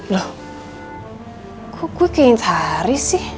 loh kok gue kayaknya haris sih